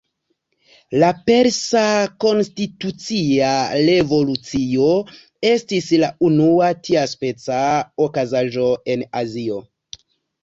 La Persa Konstitucia Revolucio estis la unua tiaspeca okazaĵo en Azio.